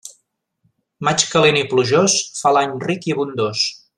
Maig calent i plujós fa l'any ric i abundós.